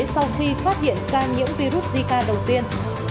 sau khi phát hiện ca nhiễm virus zika đầu tiên